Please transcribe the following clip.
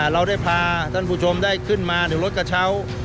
เราได้พาท่านผู้ชมได้ขึ้นมาในรถกระเช้า